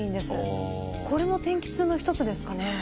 これも天気痛の一つですかね？